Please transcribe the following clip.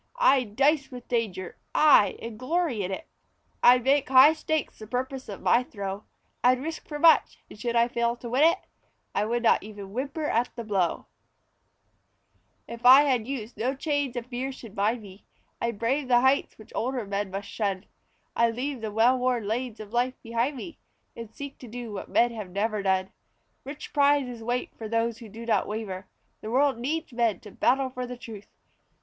I'd dice with danger aye! and glory in it; I'd make high stakes the purpose of my throw. I'd risk for much, and should I fail to win it, I would not even whimper at the blow. [Illustration: "Youth" From a drawing by W. T. BENDA.] If I had youth no chains of fear should bind me; I'd brave the heights which older men must shun. I'd leave the well worn lanes of life behind me, And seek to do what men have never done. Rich prizes wait for those who do not waver; The world needs men to battle for the truth.